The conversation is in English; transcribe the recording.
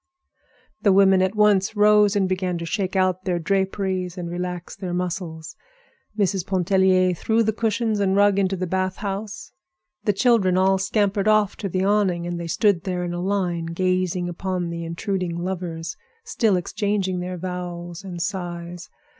The women at once rose and began to shake out their draperies and relax their muscles. Mrs. Pontellier threw the cushions and rug into the bath house. The children all scampered off to the awning, and they stood there in a line, gazing upon the intruding lovers, still exchanging their vows and sighs.